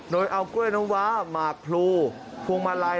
โดยเอากล้วยน้ำว้าหมากพลูพวงมาลัย